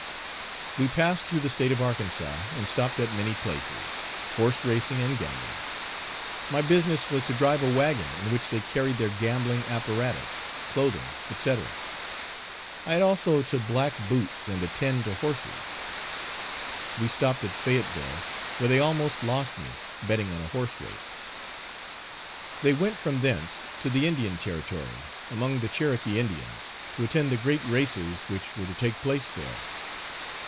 We passed through the State of Arkansas and stopped at many places, horse racing and gambling. My business was to drive a wagon in which they carried their gambling apparatus, clothing, &c. I had also to black boots and attend to horses. We stopped at Fayettville, where they almost lost me, betting on a horse race. They went from thence to the Indian Territory, among the Cherokee Indians, to attend the great races which were to take place there.